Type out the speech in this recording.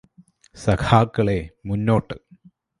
സഖാക്കളേ, മുന്നോട്ട്.